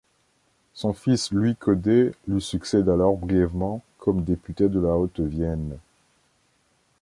Son fils Louis Codet lui succède alors brièvement comme député de la Haute-Vienne.